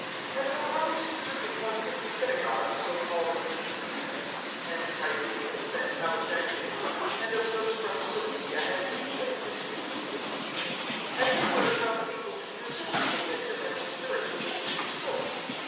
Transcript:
(9)And there arose certain ones of the synagogue so called of the Freedmen[6:9], and Cyrenians, and Alexandrians, and of those from Cilicia and Asia, disputing with Stephen. (10)And they were not able to resist the wisdom and the spirit with which he spoke.